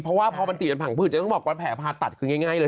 เพราะว่ามันติดกับผังผืดจะต้องควรแผลผ่าตัดตรงง่ายเลย